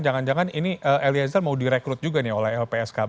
jangan jangan ini eliezer mau direkrut juga nih oleh lpsk